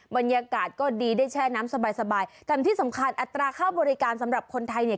บรรยากาศก็ดีได้แช่น้ำสบายสบายแต่ที่สำคัญอัตราค่าบริการสำหรับคนไทยเนี่ย